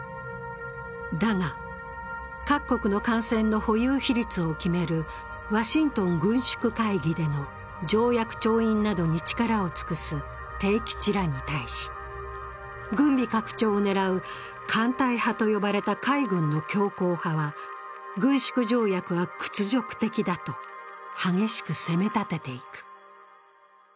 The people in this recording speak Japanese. だが、各国の艦船の保有比率を決めるワシントン軍縮会議での条約調印などに力を尽くす悌吉らに対し、軍備拡張を狙う艦隊派と呼ばれた海軍の強硬派は軍縮条約は屈辱的だと激しく責め立てていく。